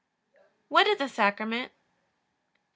What is a Sacrament? A.